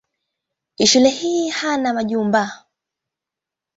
Shule hii hana majumba.